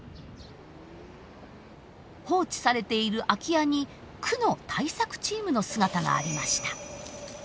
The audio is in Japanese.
放置されている空き家に区の対策チームの姿がありました。